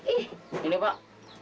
eh ini pak